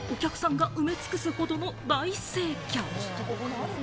店内はお客さんが詰め尽くすほどの大盛況。